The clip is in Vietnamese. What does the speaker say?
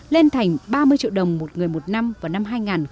lên thành ba mươi triệu đồng một người một năm vào năm hai nghìn một mươi bảy